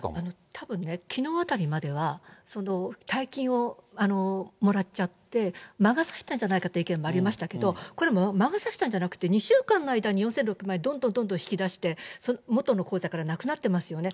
たぶんね、きのうあたりまでは、大金をもらっちゃって、魔が差したんじゃないかっていう意見もありましたけど、これ、魔が差したんじゃなくて、２週間の間に４６３０万円どんどんどんどん引き出して、元の口座からなくなってますよね。